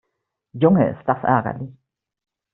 Junge, ist das ärgerlich!